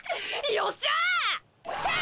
よっしゃあ！！